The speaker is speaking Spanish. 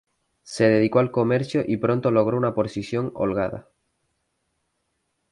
Se dedicó al comercio, y pronto logró una posición holgada.